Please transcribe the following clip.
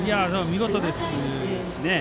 見事ですね。